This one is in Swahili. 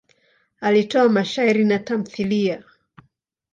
Alitoa mashairi na tamthiliya.